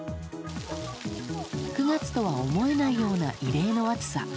９月とは思えないような異例の暑さ。